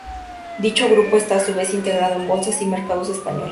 Dicho grupo está a su vez integrado en Bolsas y Mercados Españoles.